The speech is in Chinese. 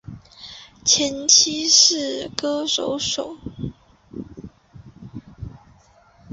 前妻是演歌歌手藤圭子。